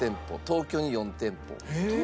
東京に４店舗。